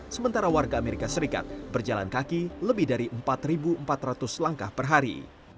sementara warga amerika serikat berjalan kaki lebih dari empat empat ratus langkah per hari